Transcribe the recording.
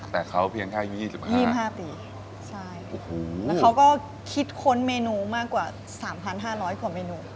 แต่เขาเพียงแค่อายุ๒๕๒๕ปีใช่แล้วเขาก็คิดค้นเมนูมากกว่า๓๕๐๐กว่าเมนู